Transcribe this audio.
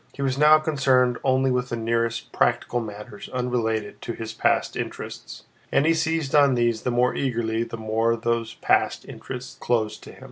He was now concerned only with the nearest practical matters unrelated to his past interests, and he seized on these the more eagerly the more those past interests were closed to him.